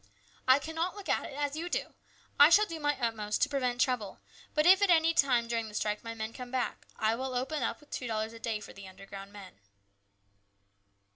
I cannot look at it as you do. I shall do my utmost to prevent trouble, but if at any time during the strike my men come back, I will open up with two dollars a day for the underground men."